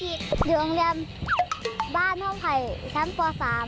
โรงเรียนบ้านห้องไผ่ชั้นป๓ค่ะ